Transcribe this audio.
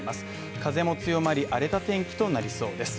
風も強まり、荒れた天気となりそうです。